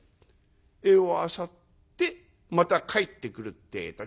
餌をあさってまた帰ってくるってえと。